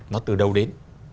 nó từ đâu đến